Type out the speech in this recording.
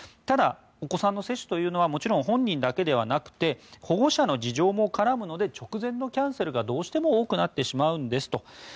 ただ、お子さんの接種というのは本人だけではなくて保護者の事情も絡むので直前のキャンセルがどうしても多くなってしまうんですと。